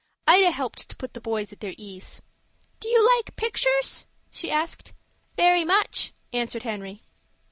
Ida helped to put the boys at their ease. "Do you like pictures?" she asked. "Very much," answered Henry.